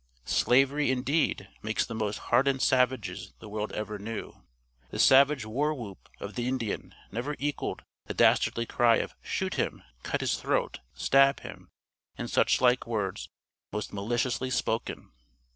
Slavery, indeed, makes the most hardened savages the world ever knew. The savage war whoop of the Indian never equalled their dastardly cry of 'shoot him,' 'cut his throat,' 'stab him,' and such like words most maliciously spoken."